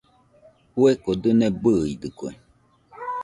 Fueko dɨne bɨidɨkue.